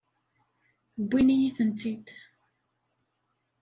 Wwin-iyi-tent-id.